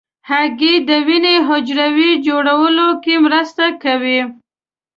هګۍ د وینې حجرو جوړولو کې مرسته کوي.